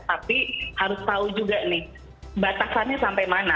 tapi harus tahu juga nih batasannya sampai mana